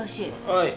はい。